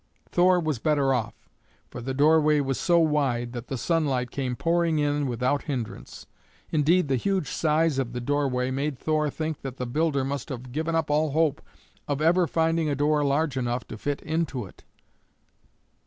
Thor was better off, for the doorway was so wide that the sunlight came pouring in without hindrance. Indeed the huge size of the doorway made Thor think that the builder must have given up all hope of ever finding a door large enough to fit into it.